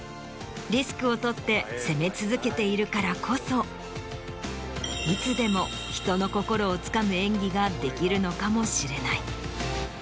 リスクを取って攻め続けているからこそいつでも人の心をつかむ演技ができるのかもしれない。